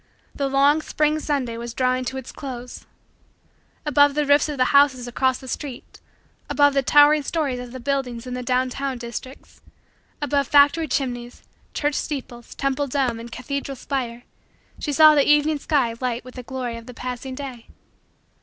The long, spring, Sunday was drawing to its close. Above the roofs of the houses across the street, above the towering stories of the buildings in the down town districts, above factory chimneys, church steeples, temple dome, and cathedral spire, she saw the evening sky light with the glory of the passing day.